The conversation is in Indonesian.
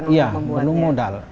iya perlu modal